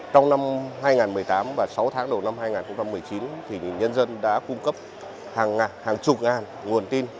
trong năm hai nghìn một mươi tám và sáu tháng đầu năm hai nghìn một mươi chín nhân dân đã cung cấp hàng chục ngàn nguồn tin